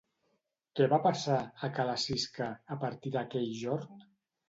Què va passar, a ca la Sisca, a partir d'aquell jorn?